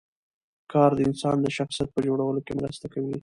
کار د انسان د شخصیت په جوړولو کې مرسته کوي